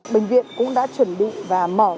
bệnh viện cũng đã chuẩn bị và mở